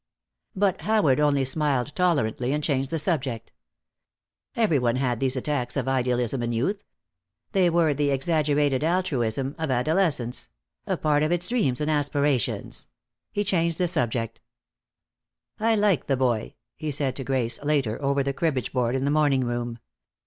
But Howard only smiled tolerantly, and changed the subject. Every one had these attacks of idealism in youth. They were the exaggerated altruism of adolescence; a part of its dreams and aspirations. He changed the subject. "I like the boy," he said to Grace, later, over the cribbage board in the morning room.